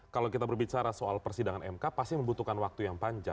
kalau kita berbicara soal persidangan mk pasti membutuhkan waktu yang panjang